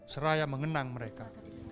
seraya mengenang mereka